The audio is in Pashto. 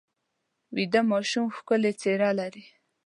ویده ماشوم ښکلې څېره لري